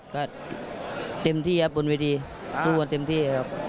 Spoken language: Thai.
ก็เต็มที่ครับบนเวทีสู้กันเต็มที่ครับ